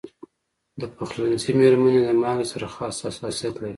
د پخلنځي میرمنې د مالګې سره خاص حساسیت لري.